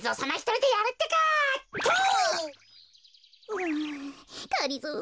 うんがりぞー